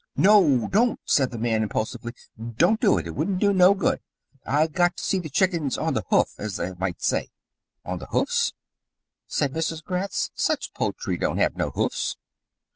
"No, don't!" said the man impulsively. "Don't do it! It wouldn't be no good. I've got to see the chickens on the hoof, as I might say." "On the hoofs?" said Mrs. Gratz. "Such poultry don't have no hoofs."